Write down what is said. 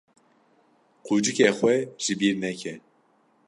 Qucixê xwe ji bîr neke.